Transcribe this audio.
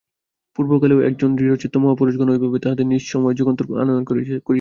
পূর্বকালেও এক এক জন দৃঢ়চিত্ত মহাপুরুষ ঐভাবে তাঁহাদের নিজ নিজ সময়ে যুগান্তর আনয়ন করিয়াছিলেন।